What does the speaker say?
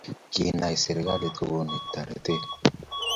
kiienkei serkali kokonu toretee